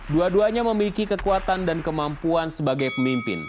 dua duanya memiliki kekuatan dan kemampuan sebagai pemimpin